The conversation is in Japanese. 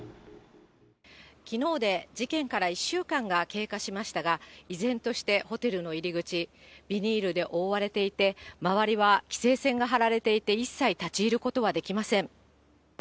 いまだ犯人の行方や目的は明らかになっておらず、多くの謎を残しきのうで事件から１週間が経過しましたが、依然としてホテルの入り口、ビニールで覆われていて、周りは規制線が張られていて一切立ち入ることはできません。